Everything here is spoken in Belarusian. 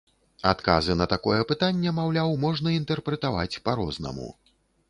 Адказы на такое пытанне, маўляў, можна інтэрпрэтаваць па-рознаму.